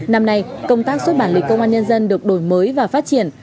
năm nay công tác xuất bản lịch công an nhân dân được đổi mới và phát triển